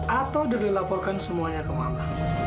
atau dirlih laporkan semuanya ke mama